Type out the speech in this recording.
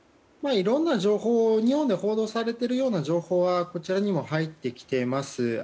いろんな、日本で報道されているような情報はこちらにも入ってきています。